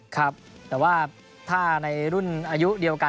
ครับแต่ว่าถ้าในรุ่นอายุเดียวกัน